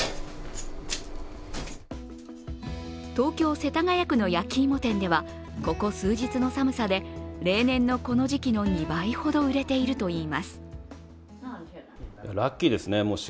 東京・世田谷区の焼き芋店ではここ数日の寒さで例年のこの時期の２倍ほど売れているといいます。